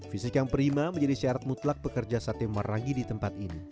fisik yang prima menjadi syarat mutlak pekerja sate marangi di tempat ini